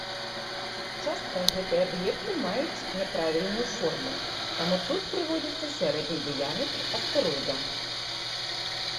Часта гэтыя аб'екты маюць няправільную форму, таму тут прыводзіцца сярэдні дыяметр астэроіда.